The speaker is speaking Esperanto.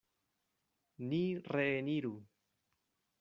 Ni reeniru.